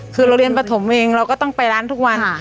คือเราเรียนปฐมเองเราก็ต้องไปร้านทุกวัน